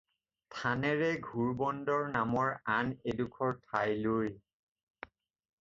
থানেৰে ঘোড়বন্দৰ নামৰ আন এডোখৰ ঠাইলৈ।